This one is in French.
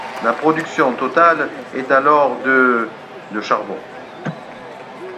La production totale est alors de de charbon.